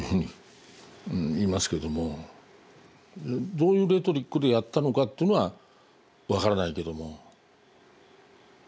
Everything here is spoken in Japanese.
どういうレトリックでやったのかというのは分からないけども。